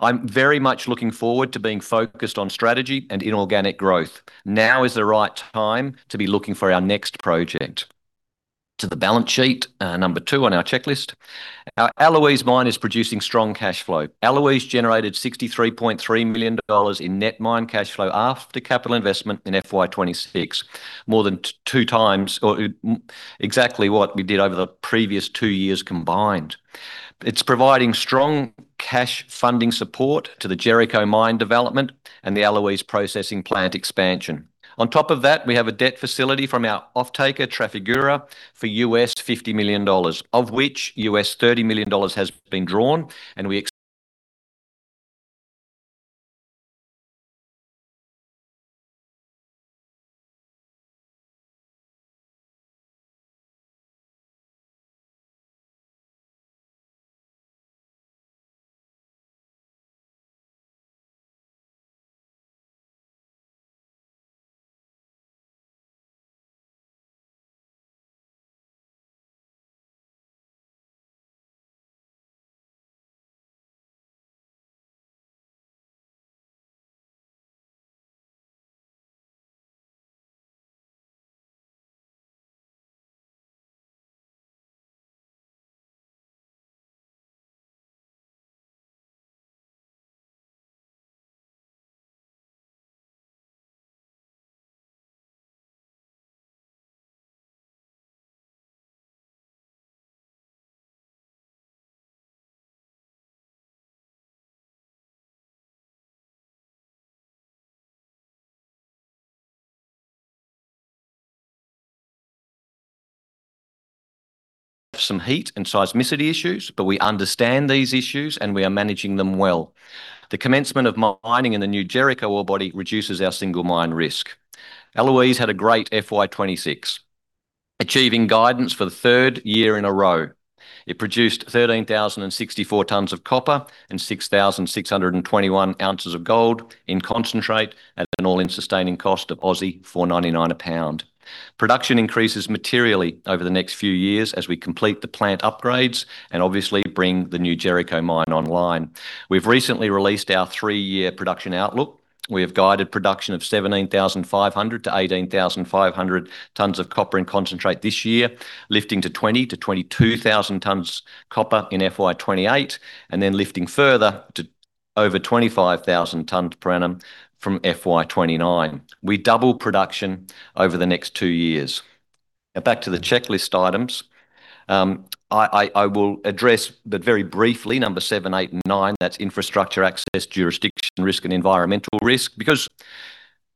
I'm very much looking forward to being focused on strategy and inorganic growth. Now is the right time to be looking for our next project. To the balance sheet, number two on our checklist. Our Eloise mine is producing strong cash flow. Eloise generated AUD 63.3 million in net mine cash flow after capital investment in FY 2026, more than 2x or exactly what we did over the previous two years combined. It's providing strong cash funding support to the Jericho mine development and the Eloise processing plant expansion. On top of that, we have a debt facility from our offtaker, Trafigura, for $50 million, of which $30 million has been drawn. Some heat and seismicity issues. We understand these issues and we are managing them well. The commencement of mining in the new Jericho ore body reduces our single mine risk. Eloise had a great FY 2026, achieving guidance for the third year in a row. It produced 13,064 tonnes of copper and 6,621 ounces of gold in concentrate at an all-in sustaining cost of 499 a pound. Production increases materially over the next few years as we complete the plant upgrades and obviously bring the new Jericho mine online. We've recently released our three-year production outlook. We have guided production of 17,500 to 18,500 tonnes of copper in concentrate this year, lifting to 20,000 to 22,000 tonnes copper in FY 2028. Lifting further to over 25,000 tonnes per annum from FY 2029. We double production over the next two years. Now back to the checklist items. I will address, very briefly, number seven, eight and nine. That's infrastructure access, jurisdiction risk and environmental risk.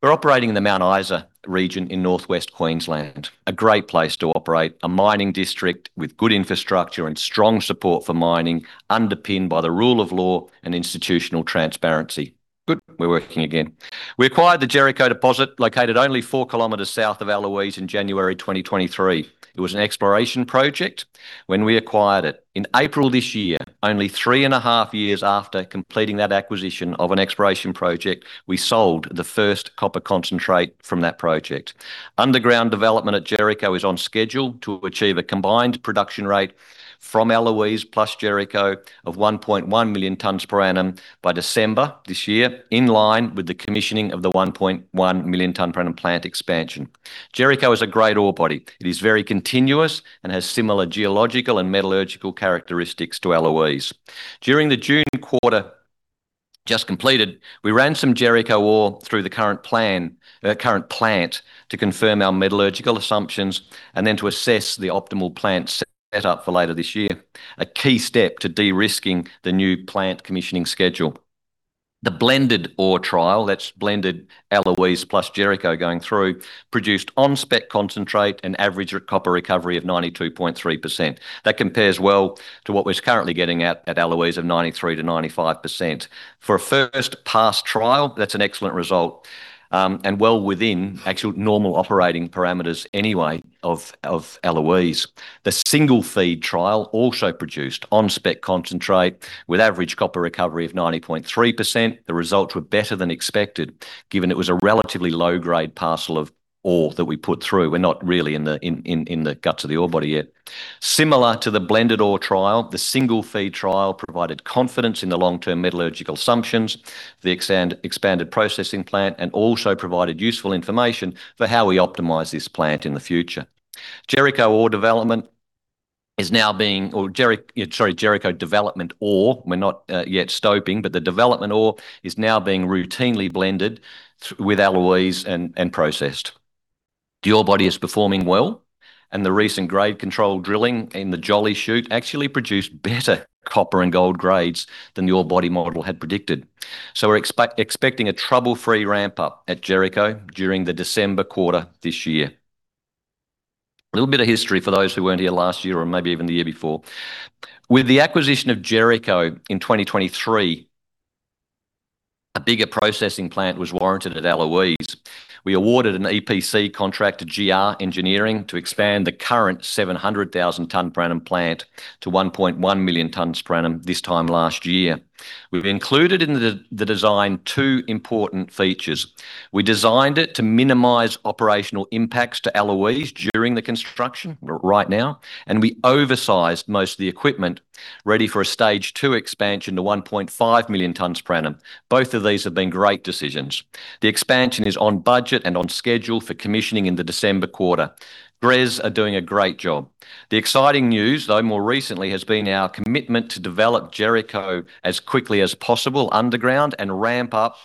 We're operating in the Mount Isa region in Northwest Queensland, a great place to operate. A mining district with good infrastructure and strong support for mining, underpinned by the rule of law and institutional transparency. Good. We're working again. We acquired the Jericho deposit, located only four kilometers south of Eloise in January 2023. It was an exploration project when we acquired it. In April this year, only three and a half years after completing that acquisition of an exploration project, we sold the first copper concentrate from that project. Underground development at Jericho is on schedule to achieve a combined production rate from Eloise plus Jericho of 1.1 million tonnes per annum by December this year, in line with the commissioning of the 1.1 million tonne per annum plant expansion. Jericho is a great ore body. It is very continuous and has similar geological and metallurgical characteristics to Eloise. During the June quarter just completed, we ran some Jericho ore through the current plant to confirm our metallurgical assumptions. To assess the optimal plant set up for later this year, a key step to de-risking the new plant commissioning schedule. The blended ore trial, that's blended Eloise plus Jericho going through, produced on-spec concentrate and average copper recovery of 92.3%. That compares well to what we're currently getting at Eloise of 93%-95%. For a first pass trial, that's an excellent result, well within actual normal operating parameters anyway of Eloise. The single feed trial also produced on-spec concentrate with average copper recovery of 90.3%. The results were better than expected given it was a relatively low grade parcel of ore that we put through. We're not really in the guts of the ore body yet. Similar to the blended ore trial, the single feed trial provided confidence in the long-term metallurgical assumptions for the expanded processing plant and also provided useful information for how we optimize this plant in the future. Jericho development ore. We're not yet stoping, but the development ore is now being routinely blended with Eloise and processed. The ore body is performing well, and the recent grade control drilling in the Jolly Shoot actually produced better copper and gold grades than the ore body model had predicted. We're expecting a trouble-free ramp-up at Jericho during the December quarter this year. A little bit of history for those who weren't here last year or maybe even the year before. With the acquisition of Jericho in 2023, a bigger processing plant was warranted at Eloise. We awarded an EPC contract to GR Engineering to expand the current 700,000 tons per annum plant to 1.1 million tons per annum this time last year. We've included in the design two important features. We designed it to minimize operational impacts to Eloise during the construction, right now, and we oversized most of the equipment ready for a stage 2 expansion to 1.5 million tons per annum. Both of these have been great decisions. The expansion is on budget and on schedule for commissioning in the December quarter. GRES are doing a great job. The exciting news, though, more recently, has been our commitment to develop Jericho as quickly as possible underground, and ramp up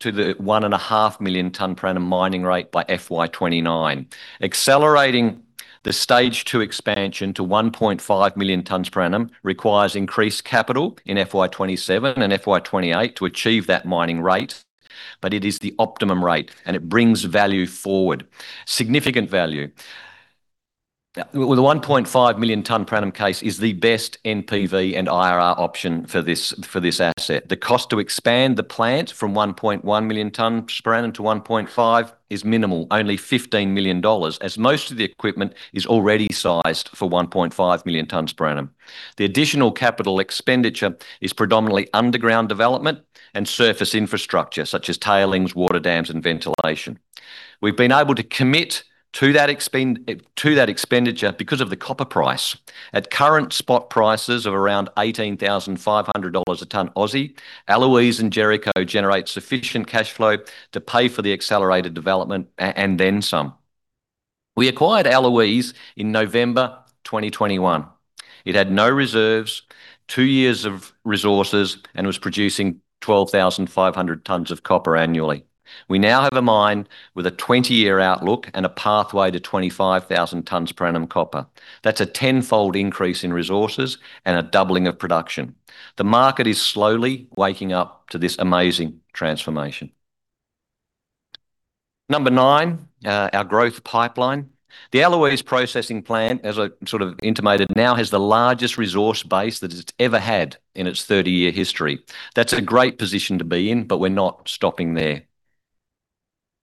to the 1.5 million tons per annum mining rate by FY 2029. Accelerating the stage 2 expansion to 1.5 million tons per annum requires increased capital in FY 2027 and FY 2028 to achieve that mining rate, but it is the optimum rate, and it brings value forward. Significant value. The 1.5 million tons per annum case is the best NPV and IRR option for this asset. The cost to expand the plant from 1.1 million tons per annum to 1.5 million tons per annum is minimal, only 15 million dollars, as most of the equipment is already sized for 1.5 million tons per annum. The additional capital expenditure is predominantly underground development and surface infrastructure, such as tailings, water dams, and ventilation. We've been able to commit to that expenditure because of the copper price. At current spot prices of around 18,500 dollars a ton Aussie, Eloise and Jericho generate sufficient cash flow to pay for the accelerated development and then some. We acquired Eloise in November 2021. It had no reserves, two years of resources, and was producing 12,500 tons of copper annually. We now have a mine with a 20-year outlook and a pathway to 25,000 tons per annum copper. That's a tenfold increase in resources and a doubling of production. The market is slowly waking up to this amazing transformation. Number nine, our growth pipeline. The Eloise processing plant, as I sort of intimated, now has the largest resource base that it's ever had in its 30-year history. That's a great position to be in, but we're not stopping there.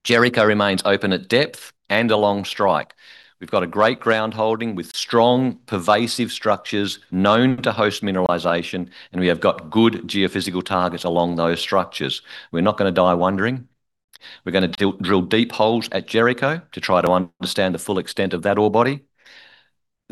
Jericho remains open at depth and along strike. We've got a great ground holding with strong, pervasive structures known to host mineralization, and we have got good geophysical targets along those structures. We're not going to die wondering. We're going to drill deep holes at Jericho to try to understand the full extent of that ore body.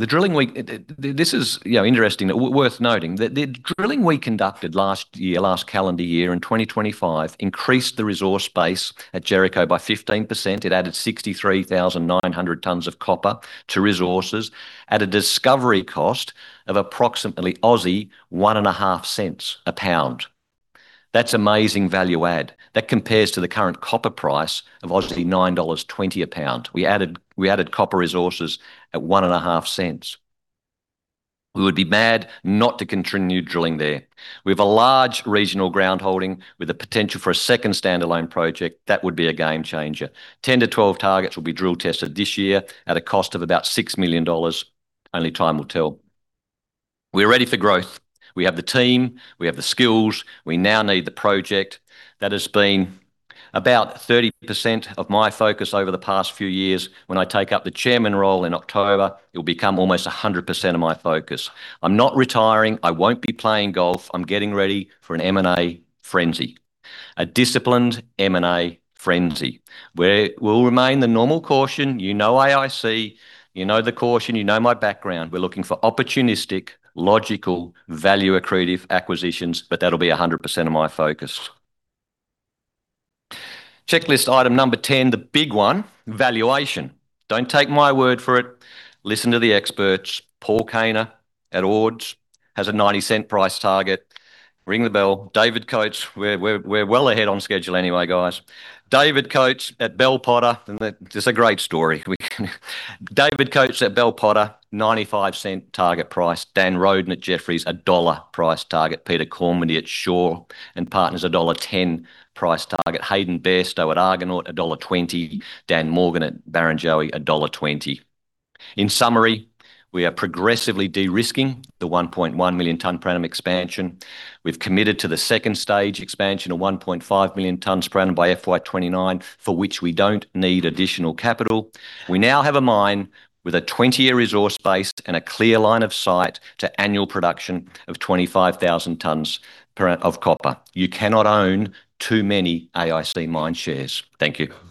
This is interesting, worth noting. The drilling we conducted last year, last calendar year in 2025, increased the resource base at Jericho by 15%. It added 63,900 tonnes of copper to resources at a discovery cost of approximately 0.015 a pound. That's amazing value add. That compares to the current copper price of 9.20 dollars a pound. We added copper resources at 0.015. We would be mad not to continue drilling there. We have a large regional ground holding with the potential for a second standalone project. That would be a game changer. 10 to 12 targets will be drill tested this year at a cost of about 6 million dollars. Only time will tell. We're ready for growth. We have the team, we have the skills. We now need the project. That has been about 30% of my focus over the past few years. When I take up the chairman role in October, it will become almost 100% of my focus. I'm not retiring. I won't be playing golf. I'm getting ready for an M&A frenzy. A disciplined M&A frenzy. We'll remain the normal caution. You know AIC, you know the caution, you know my background. We're looking for opportunistic, logical, value accretive acquisitions, but that'll be 100% of my focus. Checklist item number 10, the big one, valuation. Don't take my word for it. Listen to the experts. Paul Kaner at Ord has a 0.90 price target. Ring the bell. David Coates. We're well ahead on schedule anyway, guys. David Coates at Bell Potter. It's a great story. We can David Coates at Bell Potter, 0.95 target price. Dan Roden at Jefferies, a AUD 1.00 price target. Peter Kormendy at Shaw and Partners, dollar 1.10 price target. Hayden Bairstow at Argonaut, dollar 1.20. Dan Morgan at Barrenjoey, dollar 1.20. In summary, we are progressively de-risking the 1.1 million tonne per annum expansion. We've committed to the second stage expansion of 1.5 million tonnes per annum by FY 2029, for which we don't need additional capital. We now have a mine with a 20-year resource base and a clear line of sight to annual production of 25,000 tonnes of copper. You cannot own too many AIC Mines shares. Thank you